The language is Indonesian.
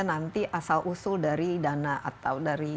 nanti asal usul dari dana atau dari